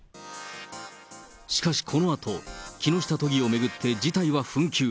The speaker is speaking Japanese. しかし、このあと、木下都議を巡って事態は紛糾。